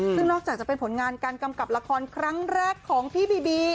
ซึ่งนอกจากจะเป็นผลงานการกำกับละครครั้งแรกของพี่บีบี